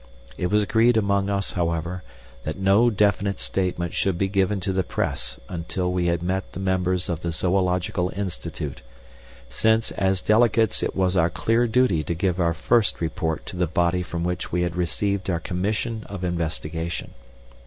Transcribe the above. It was agreed among us, however, that no definite statement should be given to the Press until we had met the members of the Zoological Institute, since as delegates it was our clear duty to give our first report to the body from which we had received our commission of investigation.